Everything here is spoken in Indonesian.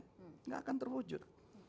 tidak akan terwujud